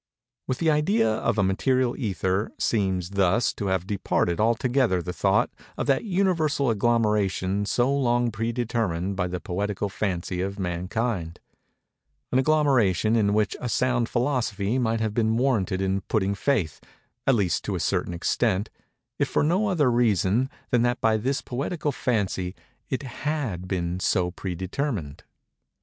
With the idea of a material ether, seems, thus, to have departed altogether the thought of that universal agglomeration so long predetermined by the poetical fancy of mankind:—an agglomeration in which a sound Philosophy might have been warranted in putting faith, at least to a certain extent, if for no other reason than that by this poetical fancy it had been so predetermined.